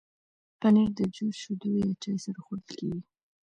پنېر د جوس، شیدو یا چای سره خوړل کېږي.